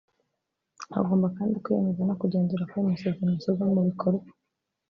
Bagomba kandi kwiyemeza no kugenzura ko ayo masezerano ashyirwa mu bikorwa